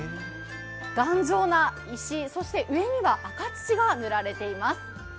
頑丈な石、上には赤土が塗られています。